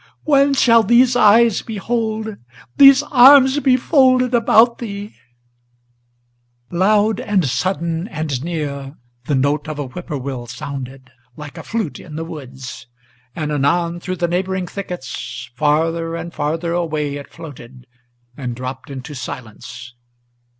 When shall these eyes behold, these arms be folded about thee?" Loud and sudden and near the note of a whippoorwill sounded Like a flute in the woods; and anon, through the neighboring thickets, Farther and farther away it floated and dropped into silence.